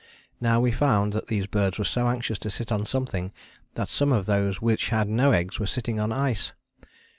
Now we found that these birds were so anxious to sit on something that some of those which had no eggs were sitting on ice!